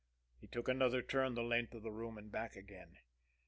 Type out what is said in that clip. He took another turn the length of the room and back again.